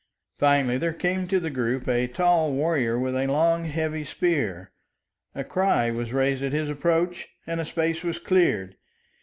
Finally there came to the group a tall warrior with a long, heavy spear. A cry was raised at his approach, and a space was cleared.